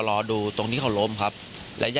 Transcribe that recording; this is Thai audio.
รถแสงทางหน้า